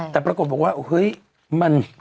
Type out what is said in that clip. แบบปรากฏบอกว่ามัน